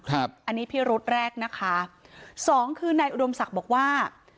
ครับอันนี้พิรุษแรกนะคะสองคือนายอุดมศักดิ์บอกว่า